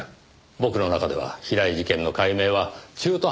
僕の中では平井事件の解明は中途半端のままです。